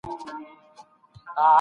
د اړتیا پر مهال شتمن باید مرسته وکړي.